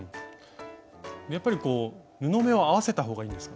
やっぱり布目を合わせた方がいいですか？